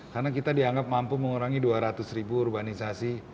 karena kita dianggap mampu mengurangi dua ratus ribu urbanisasi